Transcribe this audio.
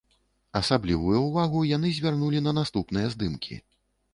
Асаблівую ўвагу яны звярнулі на наступныя здымкі.